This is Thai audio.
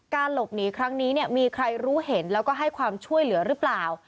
หลบหนีครั้งนี้มีใครรู้เห็นแล้วก็ให้ความช่วยเหลือหรือเปล่า